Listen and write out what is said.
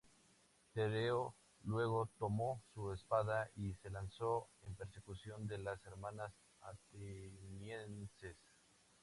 Tereo luego tomó su espada y se lanzó en persecución de las hermanas atenienses.